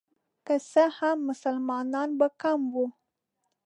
که څه هم مسلمانان به کم وو.